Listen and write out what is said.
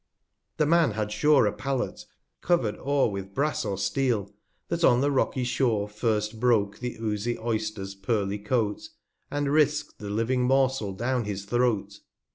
The Man had sure a Palate covered o'er 195 With Brass or Steel, that on the rocky Shore First broke the oozy Oyster's pearly Coat, And risqu'd the living Morsel down his Throat.